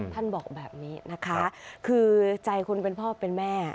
ท่านบอกแบบนี้นะคะคือใจคนเป็นพ่อเป็นแม่